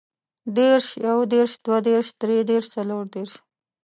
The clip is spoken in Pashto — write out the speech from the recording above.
دېرش، يودېرش، دوهدېرش، دريدېرش، څلوردېرش